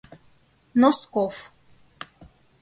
Носков.